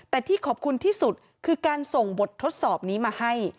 แต่ที่ขอบคุณที่สุดคือการส่งบททดสอบนี้มาให้